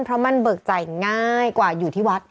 เพราะมันเบิกจ่ายง่ายกว่าอยู่ที่วัด